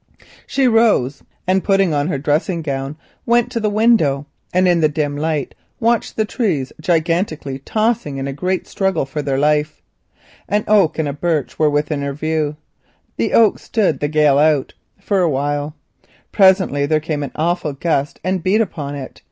She rose, went to the window, and in the dim light watched the trees gigantically tossing in struggle for their life. An oak and a birch were within her view. The oak stood the storm out—for a while. Presently there came an awful gust and beat upon it.